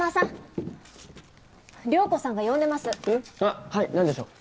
あっはい何でしょう？